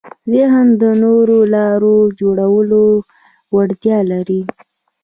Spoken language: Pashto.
ذهن د نوو لارو جوړولو وړتیا لري.